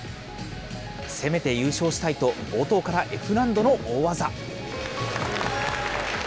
攻めて優勝したいと、冒頭からＦ難度の大技。